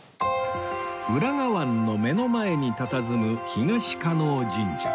浦賀湾の目の前にたたずむ東叶神社